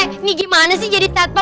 ini gimana sih jadi tata